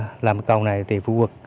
khi làm cầu này thì phục vụ